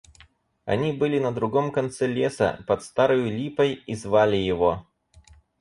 Они были на другом конце леса, под старою липой, и звали его.